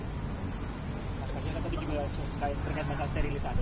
mas masyidat tapi juga terkait masalah sterilisasi